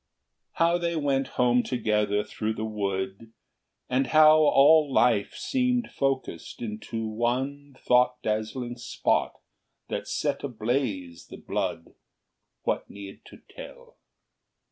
XXVIII. How they went home together through the wood, And how all life seemed focussed into one Thought dazzling spot that set ablaze the blood, What need to tell?